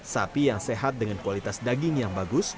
sapi yang sehat dengan kualitas daging yang bagus